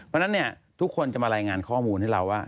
เพราะฉะนั้นเนี่ยทุกคนจะมารายงานข้อมูลให้เราว่า